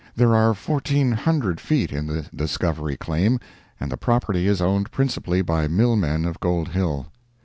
There are fourteen hundred feet in the discovery claim, and the property is owned principally by mill men of Gold Hill.